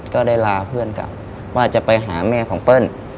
ก็ได้ลาเพื่อนกลับว่าจะไปหาแม่ของเปิ้ล